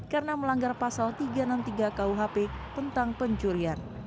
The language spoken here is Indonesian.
karena melanggar pasal tiga ratus enam puluh tiga kuhp tentang pencurian